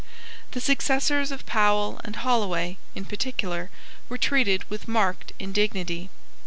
The successors of Powell and Holloway, in particular, were treated with marked indignity.